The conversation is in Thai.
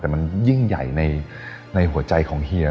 แต่มันยิ่งใหญ่ในหัวใจของเฮีย